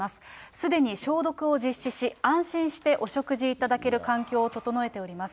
すでに消毒を実施し、安心してお食事いただける環境を整えております。